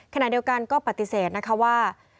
ขณะเดียวกันก็ปฏิเสธนะคะว่า